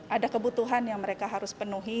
ada kebutuhan yang mereka harus penuhi